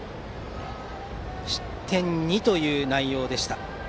失点２という内容でした。